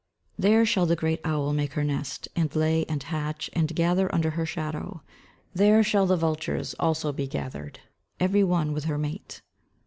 [Verse: "There shall the great owl make her nest, and lay, and hatch, and gather under her shadow: there shall the vultures also be gathered, every one with her mate."